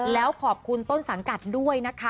แล้วขอบคุณต้นสังกัดด้วยนะคะ